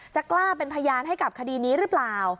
กล้าเป็นพยานให้กับคดีนี้หรือเปล่า